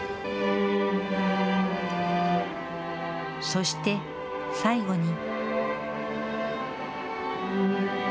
そして、最後に。